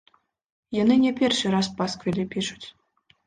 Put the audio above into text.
Яны не першы раз пасквілі пішуць.